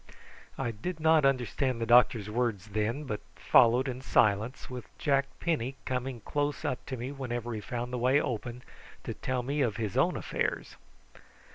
I did not understand the doctor's words then, but followed in silence, with Jack Penny coming close up to me whenever he found the way open, to tell me of his own affairs.